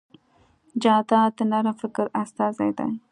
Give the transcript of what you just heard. جانداد د نرم فکر استازی دی.